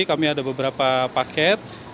kami ada beberapa paket